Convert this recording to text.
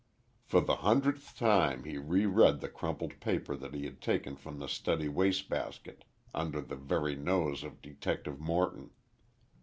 For the hundredth time he reread the crumpled paper that he had taken from the study waste basket under the very nose of Detective Morton.